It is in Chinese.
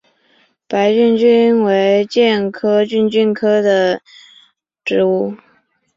白梭梭为苋科梭梭属的植物。